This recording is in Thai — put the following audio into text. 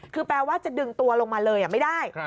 คือแปลว่าจะดึงตัวลงมาเลยไม่ได้